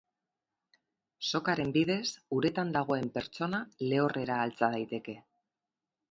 Sokaren bidez uretan dagoen pertsona lehorrera altxa daiteke.